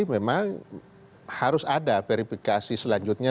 memang harus ada verifikasi selanjutnya